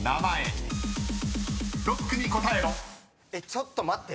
ちょっと待って。